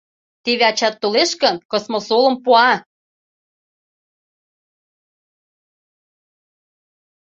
Теве ачат толеш гын, кос-мо-солым пуа!..